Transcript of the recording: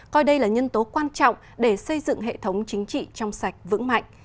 coi đây là nhân tố quan trọng để xây dựng hệ thống chính trị trong sạch vững mạnh